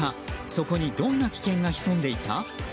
そこにどんな危険が潜んでいた？